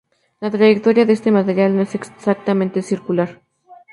La trayectoria de esta materia no es exactamente circular.